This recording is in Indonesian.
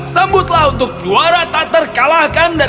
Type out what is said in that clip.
sambutlah untuk juara tak terkalahkan dari tiga tahun terakhir